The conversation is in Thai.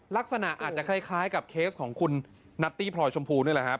ลักษณะอาจจะคล้ายกับเคสของคุณนัตตี้พลอยชมพูนี่แหละครับ